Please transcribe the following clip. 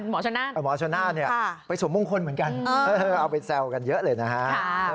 หมอชะนานค่ะเอาหมอชะนานเนี่ยไปสมมุงคนเหมือนกันเอาไปแซวกันเยอะเลยนะฮะ